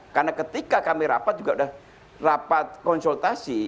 karena ketika kami rapat juga udah rapat konsultasi